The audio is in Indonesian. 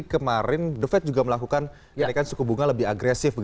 kemarin the fed juga melakukan kenaikan suku bunga lebih agresif